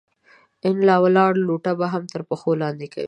ان ولاړه لوټه به هم تر پښو لاندې کوئ!